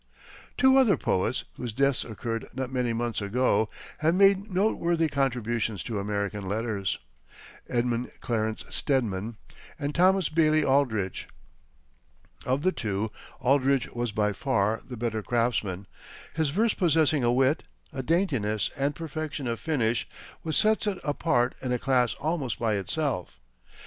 Two other poets, whose deaths occurred not many months ago, have made noteworthy contributions to American letters Edmund Clarence Stedman and Thomas Bailey Aldrich. Of the two, Aldrich was by far the better craftsman, his verse possessing a wit, a daintiness and perfection of finish which sets it apart in a class almost by itself.